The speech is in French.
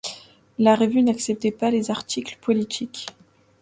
La revue n'acceptait pas les articles politiques.